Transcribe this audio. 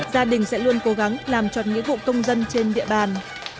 gia đình sẽ luôn cố gắng làm tròn nghĩa vụ công dân trên địa bàn